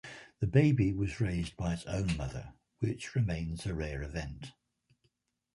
The baby was raised by its own mother, which remains a rare event.